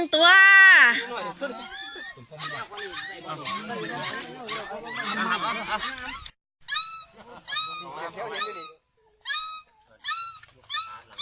สวัสดีครับ